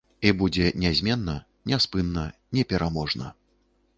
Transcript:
І будзе нязменна, няспынна, непераможна.